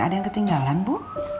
ada yang ketinggalan bu